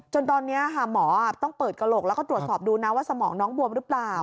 จนตอนนี้หมอต้องเปิดกระโหลกแล้วก็ตรวจสอบดูนะว่าสมองน้องบวมหรือเปล่า